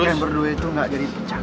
kayak yang berdua itu gak jadi pecah